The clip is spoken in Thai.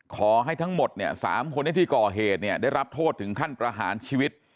ขอให้ทั้งหมดเนี่ย๓คนนี้ที่ก่อเหตุเนี่ยได้รับโทษถึงขั้นประหารชีวิต